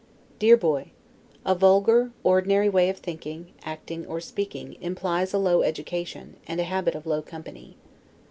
DEAR BOY: A vulgar, ordinary way of thinking, acting, or speaking, implies a low education, and a habit of low company.